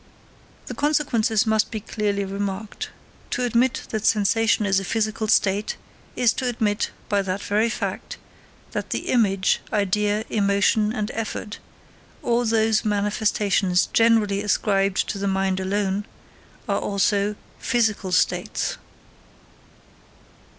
The consequences must be clearly remarked. To admit that sensation is a physical state, is to admit, by that very fact, that the image, idea, emotion, and effort all those manifestations generally ascribed to the mind alone are also physical states.